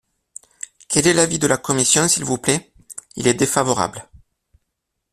Quel est l’avis de la commission, s’il vous plaît ? Il est défavorable.